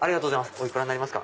お幾らになりますか？